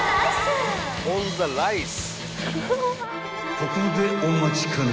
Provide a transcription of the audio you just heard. ［ここでお待ちかね］